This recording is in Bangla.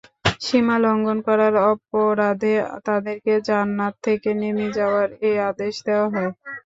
সীমালংঘন করার অপরাধে তাদেরকে জান্নাত থেকে নেমে যাওয়ার এ আদেশ দেওয়া হয়।